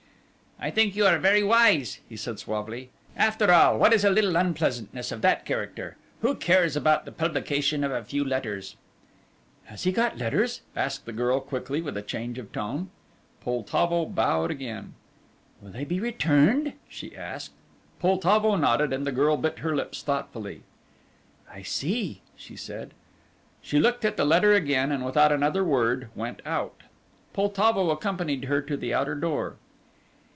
"I think you are very wise," he said suavely. "After all, what is a little unpleasantness of that character? Who cares about the publication of a few letters?" "Has he got letters?" asked the girl quickly, with a change of tone. Poltavo bowed again. "Will they be returned?" she asked. Poltavo nodded, and the girl bit her lips thoughtfully. "I see," she said. She looked at the letter again and without another word went out. Poltavo accompanied her to the outer door.